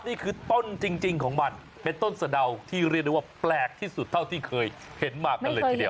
นี่คือต้นจริงของมันเป็นต้นสะดาวที่เรียกได้ว่าแปลกที่สุดเท่าที่เคยเห็นมากันเลยทีเดียว